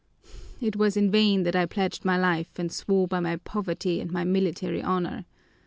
It was in vain that I pledged my life and swore by my poverty and my military honor.